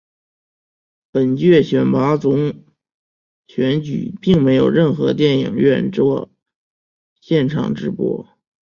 本届选拔总选举并没有任何电影院作现场直播。